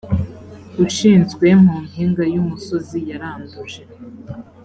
ushinzwe mu mpinga y umusozi yaranduje